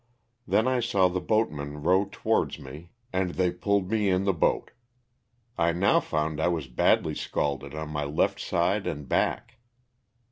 Then I saw the boatmen row towards me and they pulled me in the boat. I now found I was badly scalded on my left side and back.